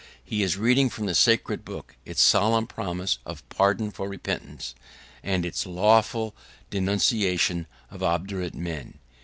He is reading from the sacred book its solemn promises of pardon for repentance, and its awful denunciation of obdurate men.